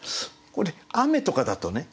これ「雨」とかだとね